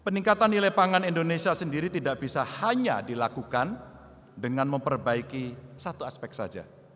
peningkatan nilai pangan indonesia sendiri tidak bisa hanya dilakukan dengan memperbaiki satu aspek saja